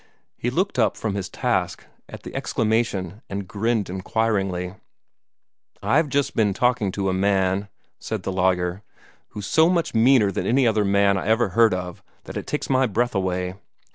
He looked up from his task at the exclamation, and grinned inquiringly. "I've just been talking to a man," said the lawyer, "who's so much meaner than any other man I ever heard of that it takes my breath away.